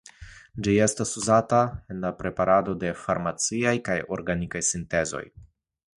Ĝi estas uzata en la preparado de farmaciaĵoj kaj organikaj sintezoj.